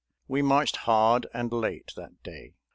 We marched hard and late that day.